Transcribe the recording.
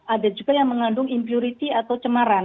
ada juga yang mengandung impurity atau cemaran